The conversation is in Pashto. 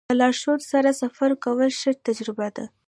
د لارښود سره سفر کول ښه تجربه ده.